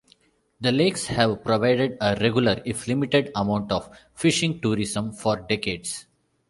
The lakes have provided a regular, if limited, amount of fishing tourism for decades.